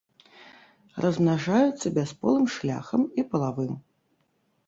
Размнажаюцца бясполым шляхам і палавым.